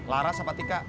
lara sapa tika